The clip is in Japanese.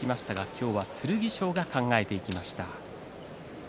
今日は剣翔が考えていきました。